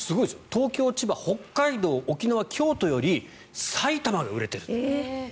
東京、千葉、北海道、沖縄京都より埼玉が売れている。